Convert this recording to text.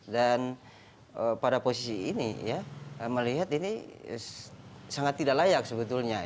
dan pada posisi ini melihat ini sangat tidak layak sebetulnya